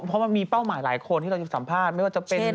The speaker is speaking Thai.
เพราะมันมีเป้าหมายหลายคนที่เราจะสัมภาษณ์ไม่ว่าจะเป็น